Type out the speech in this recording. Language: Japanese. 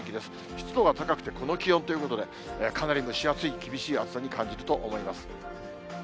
湿度が高くてこの気温ということで、かなり蒸し暑い、厳しい暑さに感じると思います。